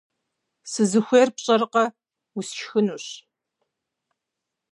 - Сызыхуейр пщӏэркъэ: усшхынущ.